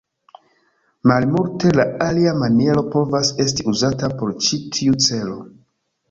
Malmulte la alia maniero povas esti uzata por ĉi tiu celo.